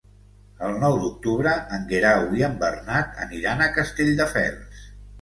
El nou d'octubre en Guerau i en Bernat aniran a Castelldefels.